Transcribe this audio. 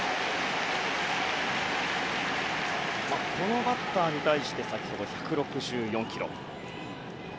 このバッターに対して先ほど１６４キロ。